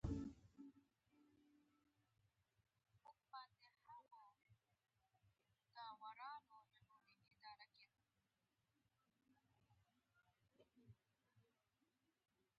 مېلمه ته خندا ورکول ادب دی.